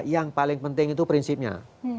yang paling penting itu prinsipnya